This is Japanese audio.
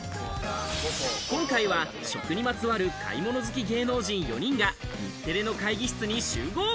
今回は食にまつわる買い物好き芸能人４人が日テレの会議室に集合。